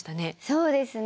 そうですね。